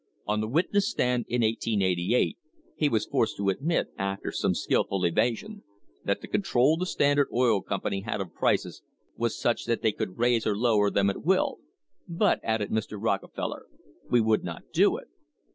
On the witness stand in 1888 he was forced to admit, after some skilful evasion, that the control the Standard Oil Company had of prices was such that they could raise or lower them at will. "But," added Mr. Rockefeller, "we would not do it."